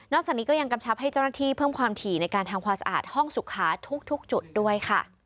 จากนี้ก็ยังกำชับให้เจ้าหน้าที่เพิ่มความถี่ในการทำความสะอาดห้องสุขาทุกจุดด้วยค่ะ